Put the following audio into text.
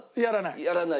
やらない？